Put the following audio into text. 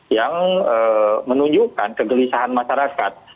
yang menunjukkan kegelisahan masyarakat